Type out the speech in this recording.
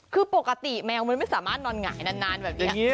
คือปกติแมวมันไม่สามารถนอนหงายนานแบบนี้